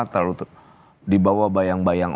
terlalu dibawa bayang bayang